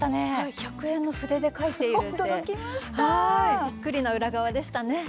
１００円の筆で描いているという、びっくりの裏側でしたね。